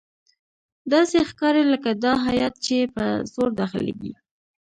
داسې ښکاري لکه دا هیات چې په زور داخليږي.